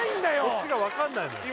こっちがわかんないのよ